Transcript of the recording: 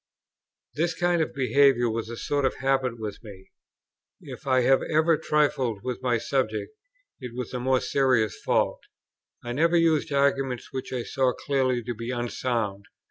This kind of behaviour was a sort of habit with me. If I have ever trifled with my subject, it was a more serious fault. I never used arguments which I saw clearly to be unsound.